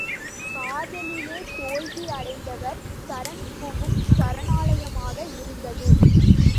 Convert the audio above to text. காதலிலே தோல்வி அடைந்தவர் சரண் புகும் சரணாலயமாக இருந்தது.